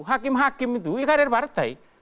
hakim hakim itu ya kader partai